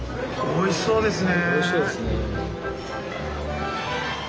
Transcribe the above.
おいしそうですね。